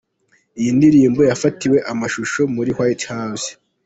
Iyi ndirimbo yafatiwe amashusho muri White House.